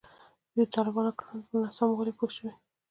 دوی د طالبانو کړنو پر ناسموالي پوه شوي.